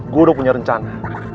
gue udah punya rencana